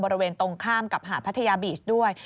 บริเวณตรงข้ามกับหาดพัทยาบีชด้วย